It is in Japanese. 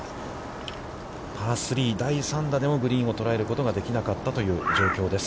パー３第３打で、グリーンを捉えることができなかったという状況です。